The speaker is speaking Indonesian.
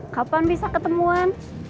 kapan bisa ketemuan